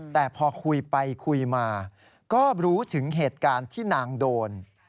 แต่พอคุยไปคุยมาก็รู้ถึงเหตุการณ์ที่นางโดน